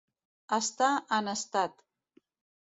Estar en estat.